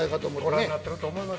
ご覧になっていると思います。